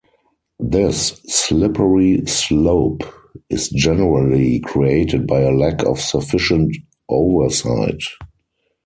This slippery slope is generally created by a lack of sufficient oversight.